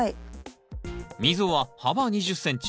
溝は幅２０ｃｍ